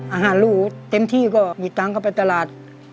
อาหารรูเต็มที่ก็มีตังค์เข้าไปตลาด